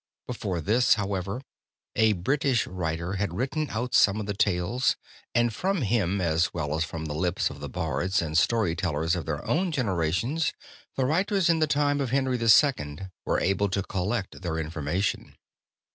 Before this, however, a British writer had written out some of the tales, and from him as well as from the lips of the bards and story tellers of their own generation, the writers in the time of Henry II. were able to collect their information.